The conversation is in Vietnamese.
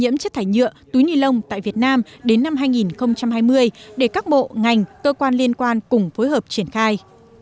nhiễm chất thải nhựa túi ni lông tại việt nam đến năm hai nghìn hai mươi để các bộ ngành cơ quan liên quan cùng phối hợp triển khai